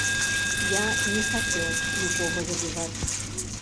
Я не хацеў нікога забіваць.